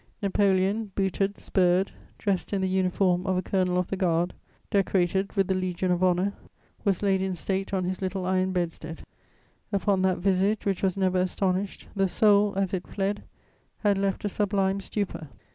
Napoleon, booted, spurred, dressed in the uniform of a colonel of the Guard, decorated with the Legion of Honour, was laid in state on his little iron bedstead; upon that visage which was never astonished the soul, as it fled, had left a sublime stupor.